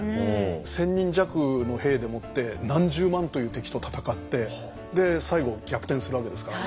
１，０００人弱の兵でもって何十万という敵と戦って最後逆転するわけですから。